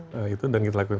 nah itu dan kita lakukan